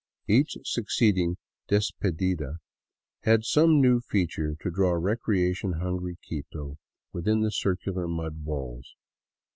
Each succeeding " despedida " had some new feature to draw recreation hungry Quito within the circular mud walls.